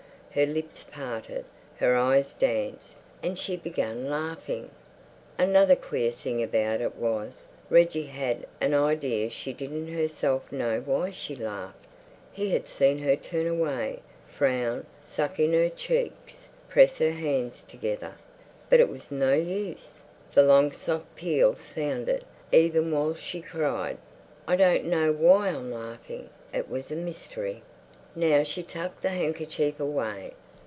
Her lips parted, her eyes danced, and she began laughing. Another queer thing about it was, Reggie had an idea she didn't herself know why she laughed. He had seen her turn away, frown, suck in her cheeks, press her hands together. But it was no use. The long, soft peal sounded, even while she cried, "I don't know why I'm laughing." It was a mystery.... Now she tucked the handkerchief away.